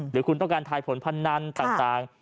หรือคุณต้องการทายผลพนันต่าง